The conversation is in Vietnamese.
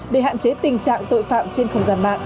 để hạn chế tình trạng tội phạm trên không gian truyền hình